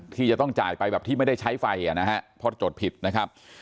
ที่จะต้องจ่ายไปแบบที่ไม่ได้ใช้ไฟนะฮะเพราะจดผิดนะครับ